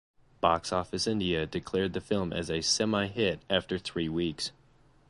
Boxofficeindia declared the film as a "semihit" after three weeks.